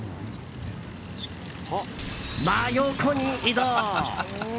真横に移動！